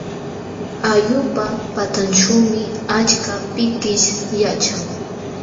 Allqupa patanćhuumi achka pikish yaćhan.